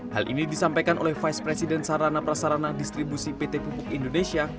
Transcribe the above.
hal ini disampaikan oleh vice president sarana prasarana distribusi pt pupuk indonesia